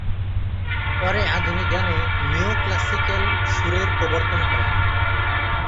পরে আধুনিক গানে নিও-ক্লাসিক্যাল সুরের প্রবর্তন করেন।